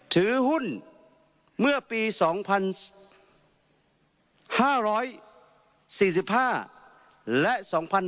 ถือหุ้นเมื่อปี๒๕๔๕และ๒๕๖๒